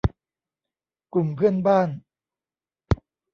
กลุ่มเพื่อนบ้าน